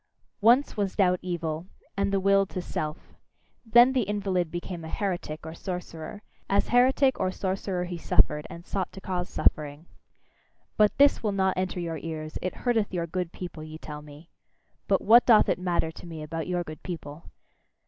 Once was doubt evil, and the will to Self. Then the invalid became a heretic or sorcerer; as heretic or sorcerer he suffered, and sought to cause suffering. But this will not enter your ears; it hurteth your good people, ye tell me. But what doth it matter to me about your good people!